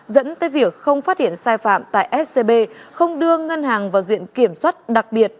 dẫn tới việc không phát hiện sai phạm tại scb không đưa ngân hàng vào diện kiểm soát đặc biệt